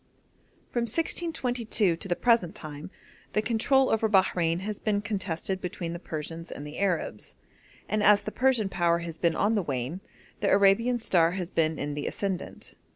From 1622 to the present time the control over Bahrein has been contested between the Persians and Arabs, and as the Persian power has been on the wane, the Arabian star has been in the ascendent.